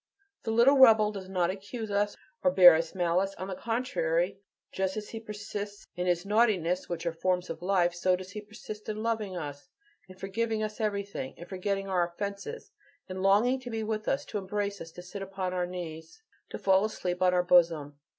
The little rebel does not accuse us or bear us malice. On the contrary; just as he persists in his "naughtinesses" which are forms of life, so does he persist in loving us, in forgiving us everything, in forgetting our offenses, in longing to be with us, to embrace us, to sit upon our knees, to fall asleep on our bosom.